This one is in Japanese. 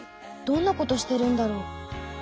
どんなことしてるんだろう？